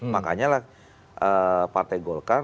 makanya lah partai golkar